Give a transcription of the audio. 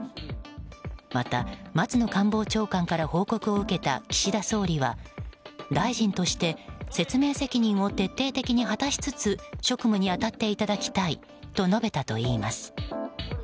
また、松野官房長官から報告を受けた岸田総理は大臣として説明責任を徹底的に果たしつつ職務に当たっていただきたいと述べたといいます。